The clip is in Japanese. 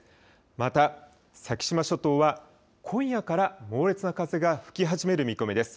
また先島諸島は今夜から猛烈な風が吹き始める見込みです。